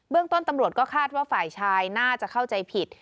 ต้นตำรวจก็คาดว่าฝ่ายชายน่าจะเข้าใจผิด